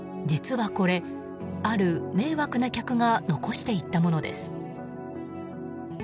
実はこれ、ある迷惑な客が残していったものです。